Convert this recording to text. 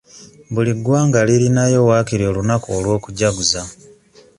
Buli ggwanga lirinayo wakiri olunaku olw'okujjaguza.